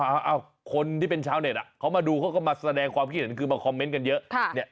คนที่เป็นชาวเน็ตเขามาดูเขาก็มาแสดงความคิดเห็นคือมาคอมเมนต์กันเยอะ